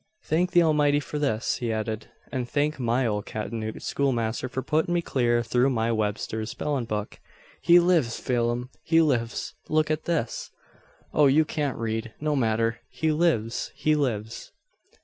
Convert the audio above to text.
"Thank the Almighty for this!" he added; "and thank my ole Katinuck schoolmaster for puttin' me clar through my Webster's spellin' book. He lives, Pheelum! he lives! Look at this. Oh, you can't read. No matter. He lives! he lives!"